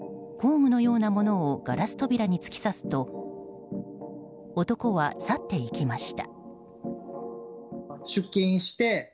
工具のようなものをガラス扉に突き刺すと男は去っていきました。